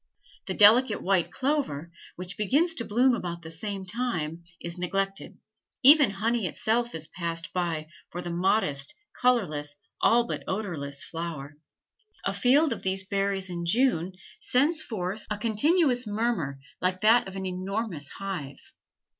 The delicate white clover, which begins to bloom about the same time, is neglected; even honey itself is passed by for this modest colorless, all but odorless flower. A field of these berries in June sends forth a continuous murmur like that of an enormous hive.